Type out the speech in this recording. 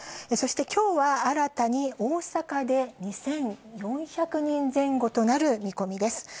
そして、きょうは新たに大阪で２４００人前後となる見込みです。